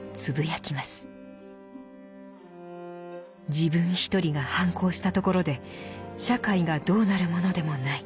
「自分ひとりが反抗したところで社会がどうなるものでもない。